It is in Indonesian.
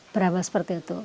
berawal seperti itu